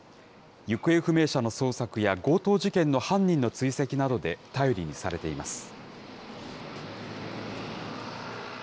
行方不明者の捜索や強盗事件の犯人の追跡などで頼りにされています。